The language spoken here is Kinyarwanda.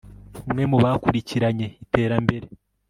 Umwe mu bakurikiranye iterambere